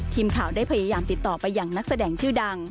ทีมข่าวได้พยายามติดต่อไปอย่างนักแสดงชื่อดัง